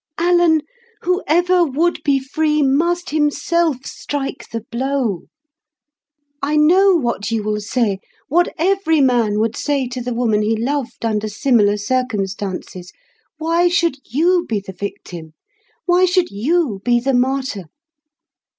Alan, whoever would be free must himself strike the blow. I know what you will say—what every man would say to the woman he loved under similar circumstances—'Why should you be the victim? Why should you be the martyr?